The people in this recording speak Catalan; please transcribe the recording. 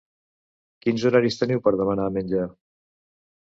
Quins horaris teniu per demanar menjar?